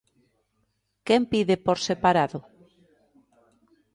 ¿Quen pide por separado?